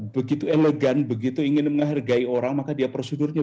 begitu elegan begitu ingin menghargai orang maka dia prosedurnya